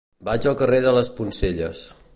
Vaig al carrer de les Poncelles.